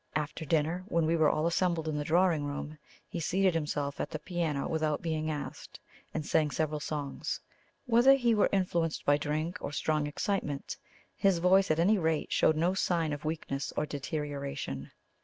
After dinner, when we all assembled in the drawing room, he seated himself at the piano without being asked, and sang several songs. Whether he were influenced by drink or strong excitement, his voice at any rate showed no sign of weakness or deterioration.